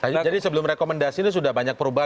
jadi sebelum rekomendasi ini sudah banyak perubahan